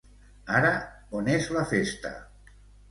Ara on és la festa?